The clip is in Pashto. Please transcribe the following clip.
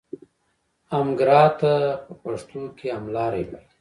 همګرا ته په پښتو کې هملاری وایي.